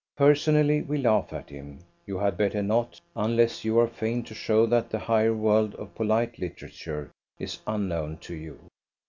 Personally, we laugh at him; you had better not, unless you are fain to show that the higher world of polite literature is unknown to you.